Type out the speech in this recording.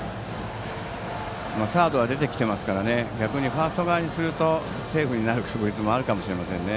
サードは出てきてますからファースト側にバントするとセーフになるかもしれませんね。